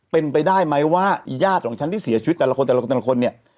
เป็นไปได้ไหมว่าญาติของฉันที่เสียชีวิตแต่ละคนแต่ละคนแต่ละคนเนี่ย